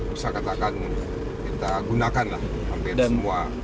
bisa katakan kita gunakan lah hampir semua